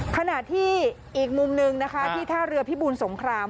ขณะที่อีกมุมหนึ่งนะคะที่ท่าเรือพิบูลสงคราม